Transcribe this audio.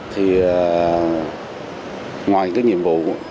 thì ngoài các nhiệm vụ